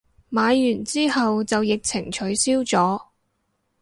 買完之後就疫情取消咗